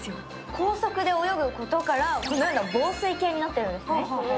高速で泳ぐことから、このような紡すい形になっているんですね。